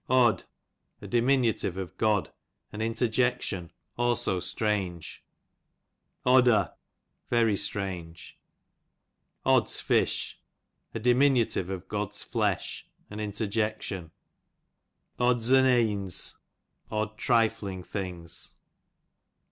Od, a diminutive of God, an interjection ; also strange. Odder, very strange, Oddsfish, a diminutive cf God^s flesh ; an interjection^ Odds on eends, odd trifling things.